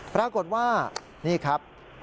ปรากฏว่านี่ครับ